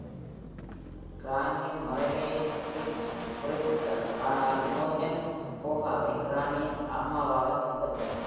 கிரானியின் மறைவை ஸ்க்ரிப்ட் குறிப்பிட்டது, ஆனால் இமோஜன் கோகாவை கிரானியின் அம்மாவாகச் சித்தரித்தது.